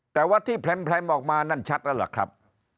แต่ว่าที่แพร่มออกมานั่นชัดแล้วล่ะครับ